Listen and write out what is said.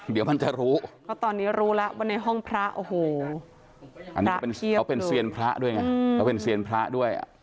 เดี๋ยวมันจะรู้เพราะตอนนี้รู้แล้วว่าในห้องพระโอ้โหอันนี้เขาเป็นเซียนพระด้วยไงเขาเป็นเซียนพระด้วย